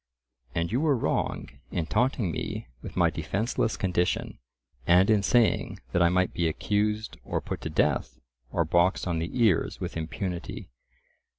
And you were wrong in taunting me with my defenceless condition, and in saying that I might be accused or put to death or boxed on the ears with impunity.